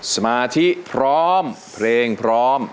สมาธิพร้อมเพลงพร้อม